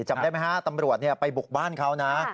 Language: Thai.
จำได้ไหมฮะตำรวจไปบุกบ้านเขานะ